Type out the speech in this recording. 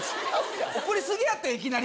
怒りすぎやっていきなり。